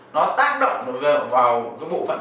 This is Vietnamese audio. nó tác động vào bộ phận dịch dục nữ